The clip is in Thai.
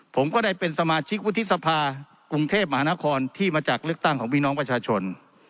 ผมก็ได้เป็นสมาชิกวุฒิสภากรุงเทพมหานครที่มาจากเลือกตั้งของพี่น้องประชาชน